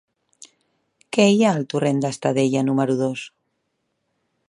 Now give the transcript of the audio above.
Què hi ha al torrent d'Estadella número dos?